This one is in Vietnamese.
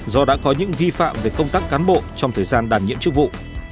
do đã có những vi phạm về công tác cán bộ trong thời gian đàn nhiễm trước vụ